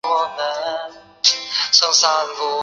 这五等封爵并不属于明朝建立后的正式封爵体系。